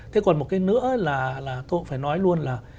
thế còn một cái nữa là tôi cũng phải nói luôn là